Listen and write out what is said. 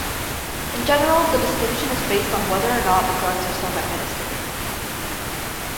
In general, the distinction is based on whether or not the drugs are self-administered.